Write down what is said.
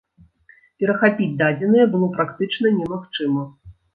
Перахапіць дадзеныя было практычна немагчыма.